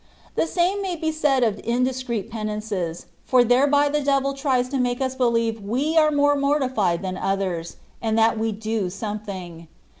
The same may be said of indiscreet penances, for thereby the devil tries to make us believe we are more mortified than others, and that we do something.